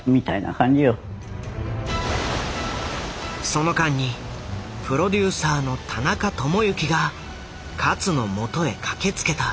その間にプロデューサーの田中友幸が勝のもとへ駆けつけた。